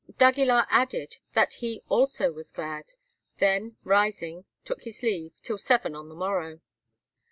d'Aguilar added that he also was glad, then, rising, took his leave "till seven on the morrow."